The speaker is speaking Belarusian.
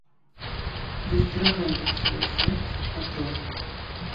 Засцерагайце сваё сэрца ад зла.